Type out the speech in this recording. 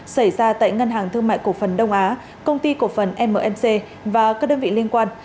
xảy ra tại ngân hàng thương mại cổ phần đông á công ty cổ phần mc và các đơn vị liên quan